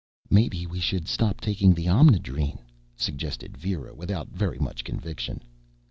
_" "Maybe we should stop taking the Omnidrene?" suggested Vera, without very much conviction.